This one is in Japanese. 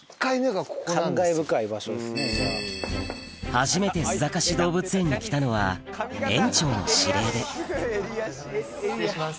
初めて須坂市動物園に来たのは園長の指令で失礼します。